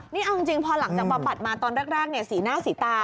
นี่เอาจริงพอหลังจากบำบัดมาตอนแรกสีหน้าสีตา